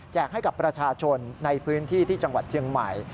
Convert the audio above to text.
ให้กับประชาชนในพื้นที่ที่จังหวัดเชียงใหม่